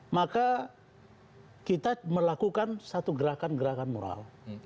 maka kita melakukan satu gerakan gerakan moral